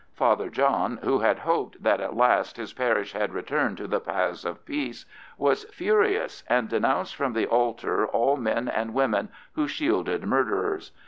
Father John, who had hoped that at last his parish had returned to the paths of peace, was furious, and denounced from the altar all men and women who shielded murderers.